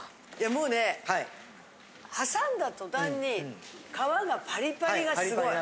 もうね挟んだ途端に皮がパリパリがすごい。